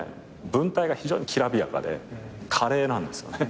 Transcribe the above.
文体が非常にきらびやかで華麗なんですよね。